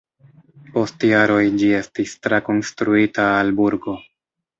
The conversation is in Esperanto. Post jaroj ĝi estis trakonstruita al burgo.